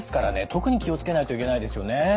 特に気を付けないといけないですよね。